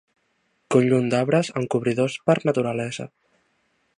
Conjunt d'arbres encobridors per naturalesa.